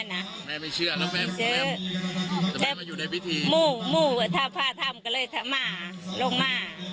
หมู่หมู่ถ้าพลาดทำก็เลยถ้ามาลงมา